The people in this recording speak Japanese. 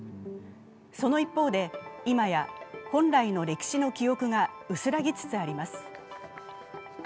その一方で、今や本来の歴史の記憶が薄らぎつつあります。